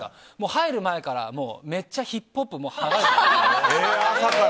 入る前からめっちゃヒップホップ。